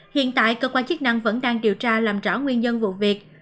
hiện tại cơ quan chức năng vẫn đang điều tra làm rõ nguyên nhân vụ việc